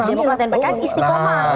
demokrat dan pks istiqomah